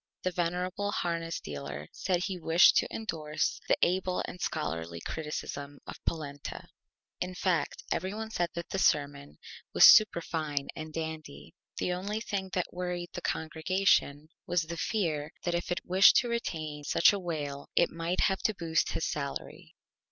The venerable Harness Dealer said he wished to indorse the Able and Scholarly Criticism of Polenta. In fact, every one said the Sermon was Superfine and Dandy. The only thing that worried the Congregation was the Fear that if it wished to retain such a Whale it might have to boost his Salary.